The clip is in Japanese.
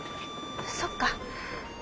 そっか。